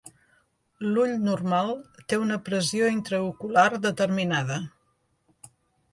L'ull normal té una pressió intraocular determinada.